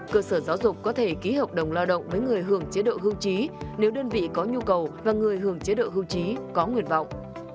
cơ sở giáo dục có thể ký hợp đồng lao động với người hưởng chế độ hưu trí nếu đơn vị có nhu cầu và người hưởng chế độ hưu trí có nguyện vọng